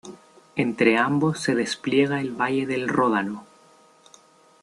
Entre ambos se despliega el valle del Ródano.